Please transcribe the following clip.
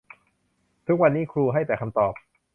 ทุกวันนี้ครูให้แต่คำตอบ